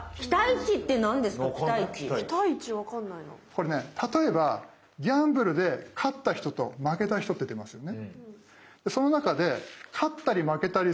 これね例えばギャンブルで勝った人と負けた人って出ますよね。